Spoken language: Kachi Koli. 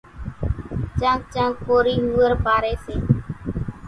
چانڪ چانڪ ڪورِي ۿوُئر پاريَ سي۔